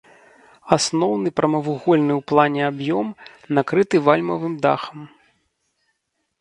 Асноўны прамавугольны ў плане аб'ём накрыты вальмавым дахам.